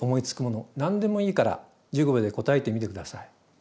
何でもいいから１５秒で答えてみてください。